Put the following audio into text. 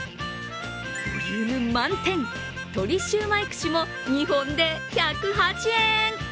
ボリューム満点、とり焼売串も２本で１０８円。